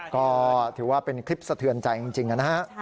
ก็ถือว่าเป็นคลิปสะเทือนใจจริงนะฮะ